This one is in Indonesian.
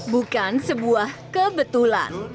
bukan sebuah kebetulan